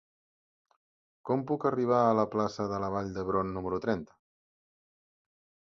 Com puc arribar a la plaça de la Vall d'Hebron número trenta?